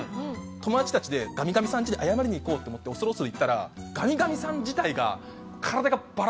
友達たちでガミガミさん家に謝りに行こうって思って恐る恐る行ったらガミガミさん自体が。